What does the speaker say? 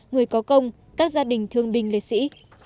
người có công các gia đình thương binh liệt sĩ